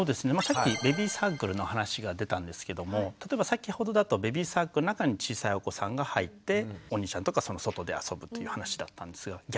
さっきベビーサークルの話が出たんですけども例えば先ほどだとベビーサークルの中に小さいお子さんが入ってお兄ちゃんとかその外で遊ぶという話だったんですよ。